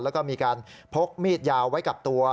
แล้วก็มีการพกมีดยาวไว้กับตัว